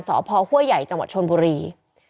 สพห้วยใหญ่จังหวัดชนบุรี